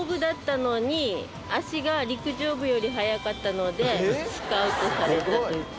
足が陸上部より速かったのでスカウトされたというか。